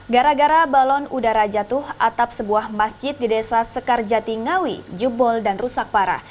gara gara balon udara jatuh atap sebuah masjid di desa sekarjati ngawi jubol dan rusak parah